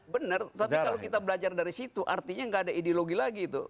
benar tapi kalau kita belajar dari situ artinya nggak ada ideologi lagi itu